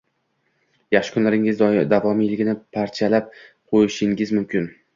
yaxshi kunlaringiz davomiyligini parchalab qo‘yishingiz mumkin.